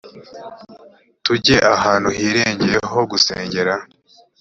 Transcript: tujye ahantu hirengeye ho gusengera